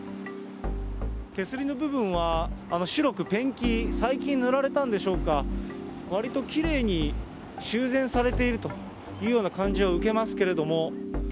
手すりの部分は、白くペンキ、最近塗られたんでしょうか、わりときれいに修繕されているというような感じは受けますけれども。